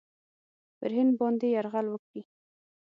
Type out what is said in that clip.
پر هند باندي یرغل وکړي.